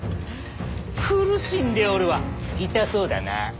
苦しんでおるわ痛そうだな。